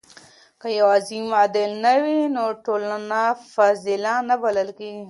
که يو زعيم عادل نه وي نو ټولنه فاضله نه بلل کيږي.